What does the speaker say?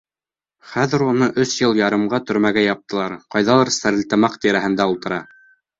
Хәҙер уны өс йыл ярымға төрмәгә яптылар, ҡайҙалыр Стәрлетамаҡ тирәһендә ултыра.